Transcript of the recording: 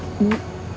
maaf pak bu